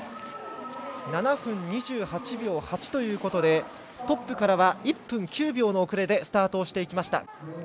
７分２８秒８ということでトップからは１分９秒の遅れでスタートしていきました。